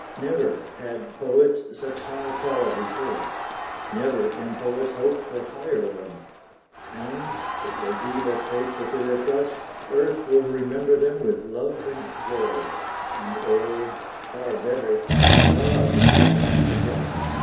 Never had poets such high call before, Never can poets hope for higher one, And, if they be but faithful to their trust, Earth will remember them with love and joy, And O, far better, God will not forget.